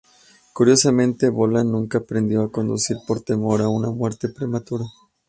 Curiosamente, Bolan nunca aprendió a conducir por temor a una muerte prematura.